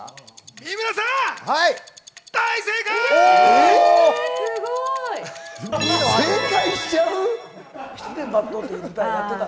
三村さん大正解！